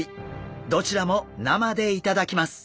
どちらも生で頂きます。